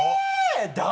誰？